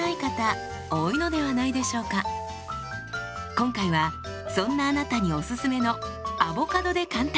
今回はそんなあなたにおすすめのアボカドで簡単！